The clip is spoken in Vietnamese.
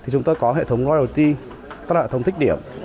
chúng tôi có hệ thống loyalty tức là hệ thống thích điểm